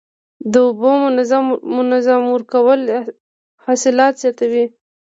د اوبو منظم ورکول حاصلات زیاتوي.